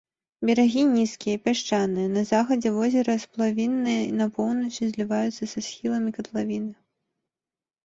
Берагі нізкія, пясчаныя, на захадзе возера сплавінныя, на поўначы зліваюцца са схіламі катлавіны.